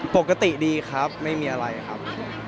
ปกติดีครับไม่มีอะไรครับ